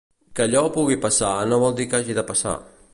Que allò pugui passar no vol dir que hagi de passar.